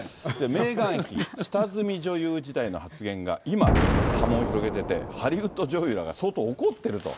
メーガン妃、下積み女優時代の発言が今、波紋を広げてて、ハリウッド女優らが相当怒ってると。